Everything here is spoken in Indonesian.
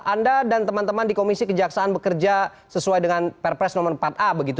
anda dan teman teman di komisi kejaksaan bekerja sesuai dengan perpres nomor empat a begitu